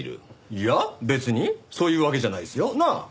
いや別にそういうわけじゃないですよ。なあ？